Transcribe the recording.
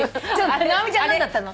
直美ちゃん何だったの？